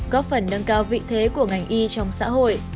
góp phần nâng cao vị thế của ngành y trong xã hội